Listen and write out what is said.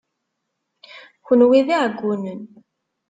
Kenwi d iɛeggunen.